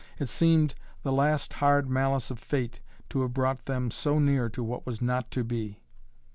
It seemed the last hard malice of Fate to have brought them so near to what was not to be.